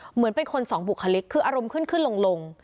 เหมือนเป็นคนสองบุคลิกคืออารมณ์ขึ้นขึ้นลง